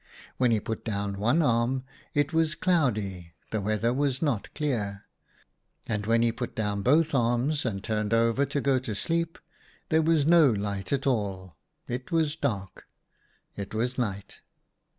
When he put down one arm, it was cloudy, the weather was not clear. And when he put down both arms and turned over to go to sleep, there was no light at all : it was dark ; it was night.